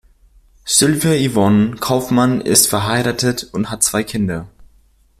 Sylvia-Yvonne Kaufmann ist verheiratet und hat zwei Kinder.